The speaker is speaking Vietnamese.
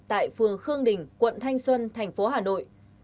tại phường khương đình quận thanh xuân tp hà nội